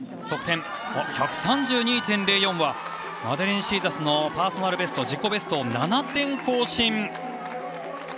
得点、１３２．０４はマデリン・シーザスのパーソナルベスト自己ベストを７点更新。